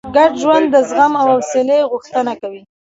ګډ ژوند د زغم او حوصلې غوښتنه کوي.